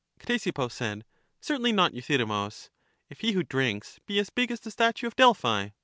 Ctesippus said: Certainly not, Euthydemus, if he who drinks be as big as the statue of Delphi.